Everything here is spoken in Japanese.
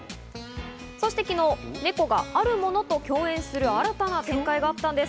そして昨日、ネコがあるものと共演する新たな展開があったんです。